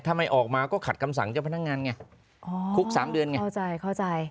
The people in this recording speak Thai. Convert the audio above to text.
ถ้าไม่ออกมาก็ขัดคำสั่งเจ้าพนักงานไงอ๋อคุกสามเดือนไงเข้าใจเข้าใจ